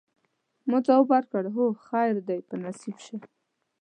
ما ځواب ورکړ: هو، خیر دي په نصیب شه.